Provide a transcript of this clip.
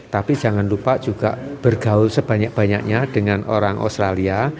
tapi jangan lupa juga bergaul sebanyak banyaknya dengan orang australia